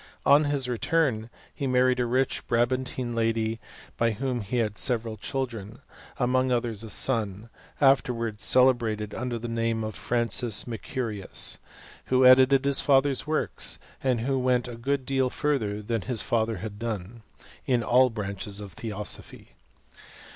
On his return, he married a rich Bra bantine lady, by whom he had several children ; among others a son, afterwards celiebrated under the name of Francis Mercurius, who edited his father's works, and who went a good deal further than his father had done, in all the branches of theosophy.